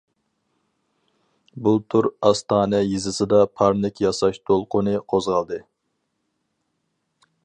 بۇلتۇر ئاستانە يېزىسىدا پارنىك ياساش دولقۇنى قوزغالدى.